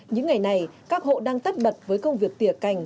những ngày này các hộ đang tất bật với công việc tỉa cành